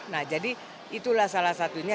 nah jadi itulah salah satunya